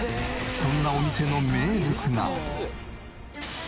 そんなお店の名物が。